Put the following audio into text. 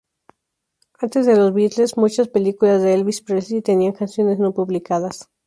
Antes de los Beatles, muchas películas de Elvis Presley tenían canciones no publicadas.